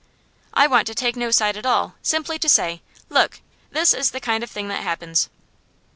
I want to take no side at all; simply to say, Look, this is the kind of thing that happens.